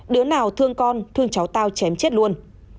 đứa nào thương con thương cháu tao chém chết luôn